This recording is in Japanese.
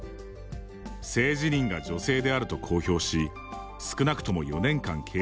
性自認が女性であると公表し少なくとも４年間継続すること。